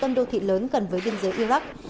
trên đô thị lớn gần với biên giới iraq